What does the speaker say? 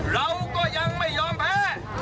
เราก็ยังไม่ยอมแพ้